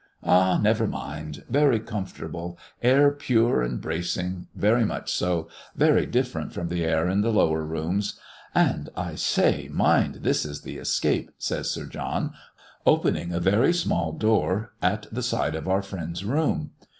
"Ah! never mind! very comfortable, air pure and bracing; very much so; very different from the air in the lower rooms. And I say, mind this is the 'escape,'" says Sir John, opening a very small door at the side of our friend's room.